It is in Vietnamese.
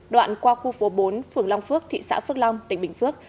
đoạn qua khu phố bốn phường long phước thị xã phước long tỉnh bình phước